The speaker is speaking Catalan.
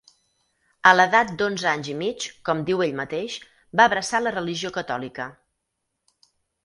A l'edat d'onze anys i mig, com diu ell mateix, va abraçar la religió catòlica.